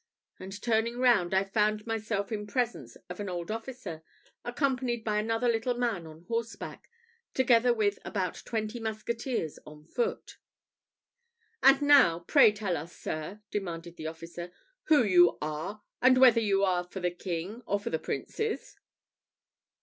and turning round, I found myself in presence of an old officer, accompanied by another little man on horseback, together with about twenty musketeers on foot. "And now, pray tell us, sir," demanded the officer, "who you are, and whether you are for the king or the Princes?"